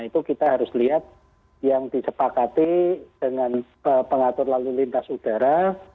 itu kita harus lihat yang disepakati dengan pengatur lalu lintas udara